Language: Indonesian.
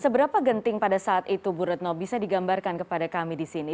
seberapa genting pada saat itu bu retno bisa digambarkan kepada kami di sini